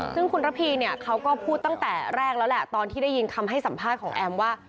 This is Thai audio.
ซึ่งคุณระพีเนี่ยเขาก็พูดตั้งแต่แรกแล้วแหละตอนที่ได้ยินคำให้สัมภาษณ์ของแอมว่า